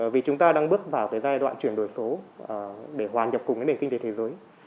vì chúng ta đang bước vào giai đoạn chuyển đổi số để hoàn nhập cùng với nền kinh tế thế giới